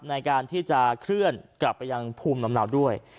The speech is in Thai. ในการที่จะเคลื่อนกลับไปยังภูมิลำเนาด้วย